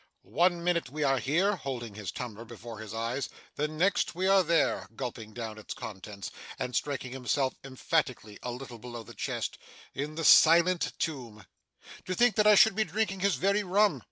One minute we are here' holding his tumbler before his eyes 'the next we are there' gulping down its contents, and striking himself emphatically a little below the chest 'in the silent tomb. To think that I should be drinking his very rum!